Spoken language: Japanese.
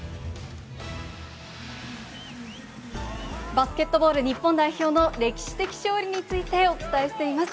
バスケットボール日本代表の歴史的勝利についてお伝えしています。